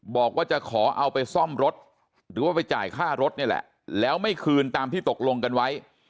บอกว่าจะขอเอาไปซ่อมรถหรือว่าไปจ่ายค่ารถนี่แหละแล้วไม่คืนตามที่ตกลงกันไว้